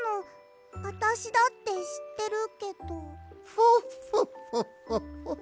フォッフォッフォッフォッフォッ。